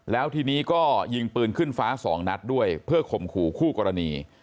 แล้วทีนี้ก็ยิงปืนขึ้นฟ้าสองนัดด้วยเพื่อข่มขู่คู่กรณี